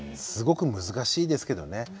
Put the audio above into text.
すごく難しいですけどね。